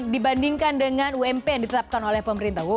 dibandingkan dengan ump yang ditetapkan oleh pemerintah